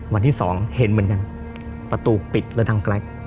วันที่๒เห็นเหมือนกันประตูปิดระดังแกรก